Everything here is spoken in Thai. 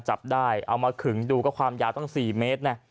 จับได้เอามาขึงดูก็ความยาวตั้ง๔เมตรนะ